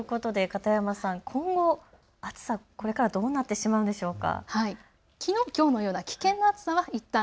今、この暑さということで片山さん、今後、暑さはこれからどうなってしまうんでしょうか。